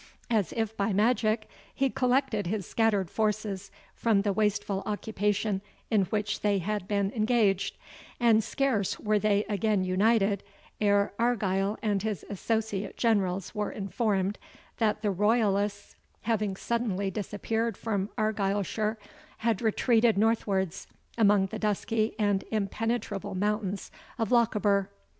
As if by magic, he collected his scattered forces from the wasteful occupation in which they had been engaged; and scarce were they again united, ere Argyle and his associate generals were informed, that the royalists, having suddenly disappeared from Argyleshire, had retreated northwards among the dusky and impenetrable mountains of Lochaber.